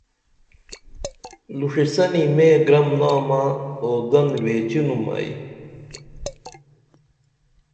لوݜیسنی میں گرم نامہ اودن ویچینُم ائی